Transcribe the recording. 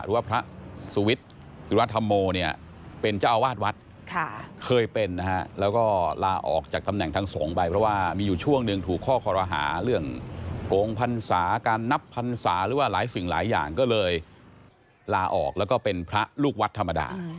การนับพรรษาหรือว่าหลายสิ่งหลายอย่างก็เลยลาออกแล้วก็เป็นพระลูกวัดธรรมดา